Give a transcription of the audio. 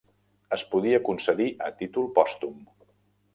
Es podia concedir a títol pòstum.